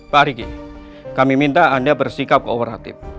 pak riki kami minta anda bersikap kooperatif